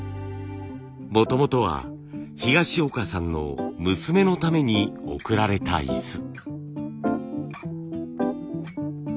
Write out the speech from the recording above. もともとは東岡さんの娘のために贈られた椅子。